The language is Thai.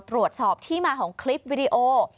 ตรวจสอบที่มาของคลิปวิดีโอ